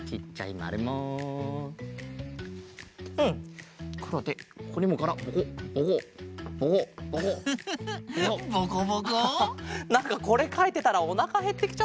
なんかこれかいてたらおなかへってきちゃったな。